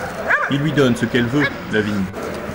Il lui donne ce qu'elle veut, la vigne.